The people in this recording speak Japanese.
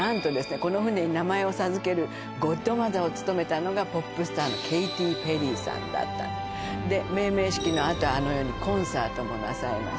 この船に名前を授けるゴッドマザーを務めたのがポップスターのケイティ・ペリーさんだったで命名式のあとあのようにコンサートもなさいました